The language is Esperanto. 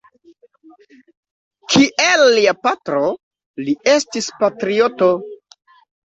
Kiel lia patro, li estis patrioto.